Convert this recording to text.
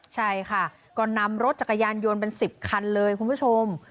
ใช่ค่ะก็นำรถจักรยานยนต์เป็น๑๐คันเลยคุณผู้ชม